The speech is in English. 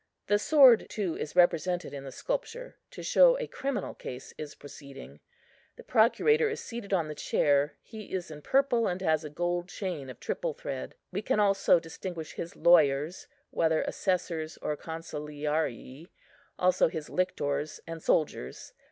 The sword too is represented in the sculpture, to show a criminal case is proceeding. The procurator is seated on the chair; he is in purple, and has a gold chain of triple thread. We can also distinguish his lawyers, whether assessors or consiliarii; also his lictors and soldiers.